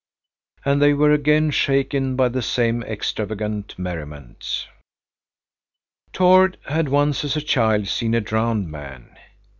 And they were again shaken by the same extravagant merriment. Tord had once as a child seen a drowned man.